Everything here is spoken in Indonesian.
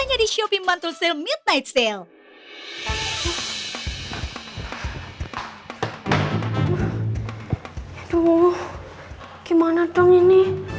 aduh gimana dong ini